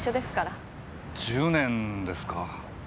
１０年ですか。